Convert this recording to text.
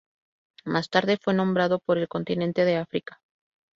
Más tarde fue nombrado por el continente de África.